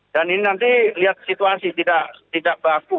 dan ini nanti lihat situasi tidak bagus